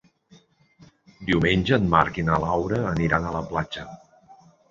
Diumenge en Marc i na Laura aniran a la platja.